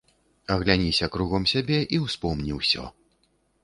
Агляніся кругом сябе і ўспомні ўсё.